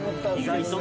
意外とね。